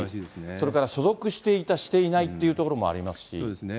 それから所属していた、していないっていうところもありますそうですね。